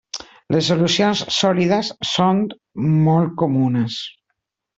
Les solucions sòlides són molt comunes.